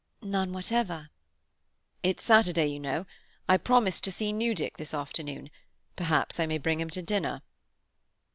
"None whatever." "It's Saturday, you know. I promised to see Newdick this afternoon. Perhaps I may bring him to dinner."